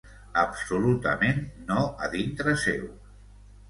Absolutament no a dintre seu.